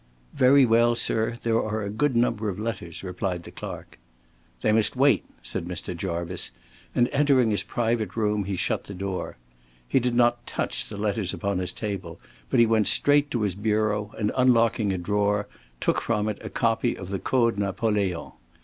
"Very well, sir. There are a good number of letters," replied the clerk. "They must wait," said Mr. Jarvice, and entering his private room he shut the door. He did not touch the letters upon his table, but he went straight to his bureau, and unlocking a drawer, took from it a copy of the Code Napoleon.